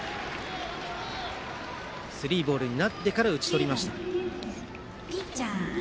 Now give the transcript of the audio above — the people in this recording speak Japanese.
スリーボールになってから打ち取りました。